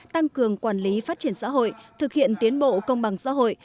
tăng cường quản lý phát triển xã hội thực hiện tiến bộ công bằng xã hội